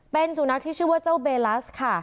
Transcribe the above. เป็นสุนัขที่ชื่อว่าเจ้าเบลัสค่ะ